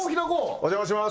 お邪魔します